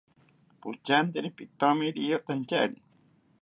Pochantiri pitoni riyotantyari